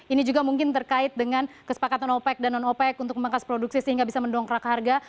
ini juga mungkin terkait dengan kesepakatan opec dan non opec untuk memangkas produksi sehingga bisa mendongkrak harga